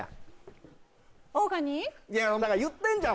だから言ってんじゃん